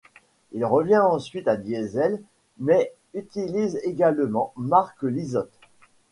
Il revient ensuite à Diesel, mais utilise également Mark Lizotte.